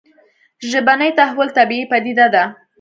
ژبني تحول طبیعي پديده ده